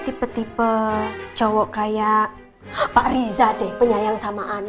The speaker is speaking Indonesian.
tipe tipe cowok kayak pak riza deh penyayang sama anak